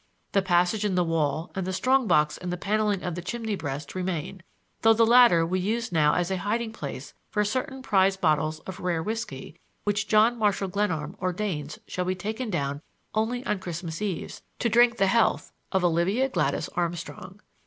The passage in the wall and the strong box in the paneling of the chimney breast remain, though the latter we use now as a hiding place for certain prized bottles of rare whisky which John Marshall Glenarm ordains shall be taken down only on Christmas Eves, to drink the health of Olivia Gladys Armstrong.